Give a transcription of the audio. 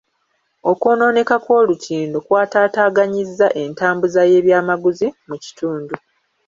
Okwonooneka kw'olutindo kwataataaganyizza entambuza y'ebyamaguzi mu kitundu.